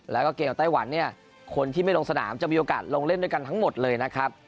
แล้วก็เกมกับไต้หวันเนี่ยคนที่ไม่ลงสนามจะมีโอกาสลงเล่นด้วยกันทั้งหมดเลยนะครับ